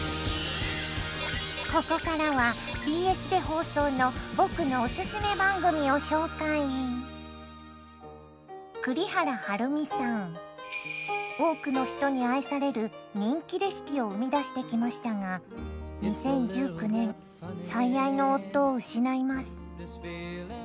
ここからはＢＳで放送の僕のおすすめ番組を紹介。を生み出してきましたが２０１９年最愛の夫を失います。